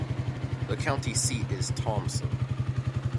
The county seat is Thomson.